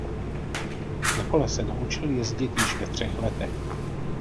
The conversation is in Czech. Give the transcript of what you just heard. Na kole se naučil jezdit již ve třech letech.